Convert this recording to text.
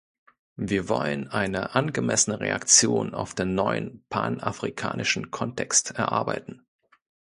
Wir wollen eine angemessene Reaktion auf den neuen panafrikanischen Kontext erarbeiten.